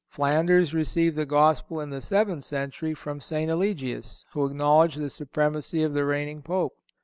Flanders received the Gospel in the seventh century from St. Eligius, who acknowledged the supremacy of the reigning Pope.